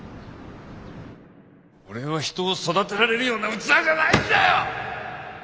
俺は人を育てられるような器じゃないんだよ！